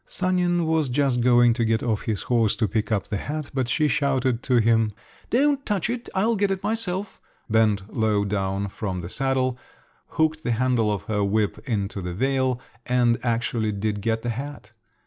Sanin was just going to get off his horse to pick up the hat, but she shouted to him, "Don't touch it, I'll get it myself," bent low down from the saddle, hooked the handle of her whip into the veil, and actually did get the hat.